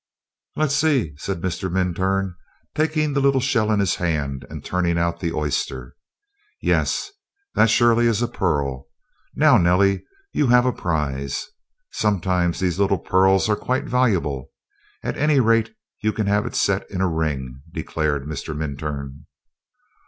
"Let me see," said Mr. Minturn, taking the little shell in his hand, and turning out the oyster. "Yes, that surely is a pearl. Now, Nellie, you have a prize. Sometimes these little pearls are quite valuable. At any rate, you can have it set in a ring," declared Mr. Minturn.